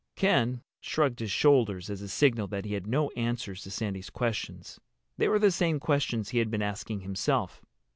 Ken shrugged his shoulders as a signal that he had no answers to Sandy's questions. They were the same questions he had been asking himself.